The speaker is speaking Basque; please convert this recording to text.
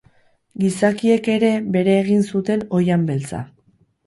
Gizakiek ere bere egin zuten Oihan Beltza.